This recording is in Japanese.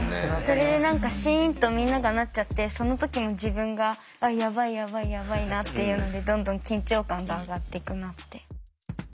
それで何かシンとみんながなっちゃってその時に自分がやばいやばいやばいなっていうのでどんどん緊張感が上がっていくなって。